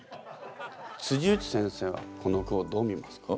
内先生はこの句をどう見ますか？